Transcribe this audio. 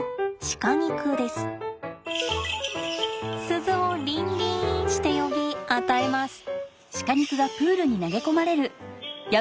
鈴をリンリンして呼び与えます。